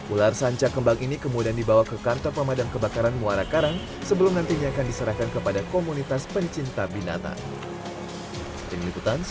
ular sanca kembang ini kemudian dibawa ke kantor pemadam kebakaran muara karang sebelum nantinya akan diserahkan kepada komunitas pencinta binatang